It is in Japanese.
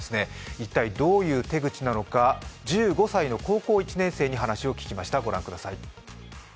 一体どういう手口なのか１５歳の高校１年生に話を聞きました